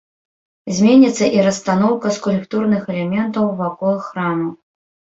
Зменіцца і расстаноўка скульптурных элементаў вакол храма.